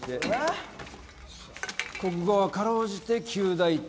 国語は辛うじて及第点。